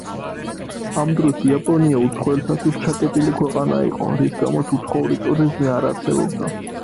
ამ დროს იაპონია უცხოელთათვის ჩაკეტილი ქვეყანა იყო, რის გამოც უცხოური ტურიზმი არ არსებობდა.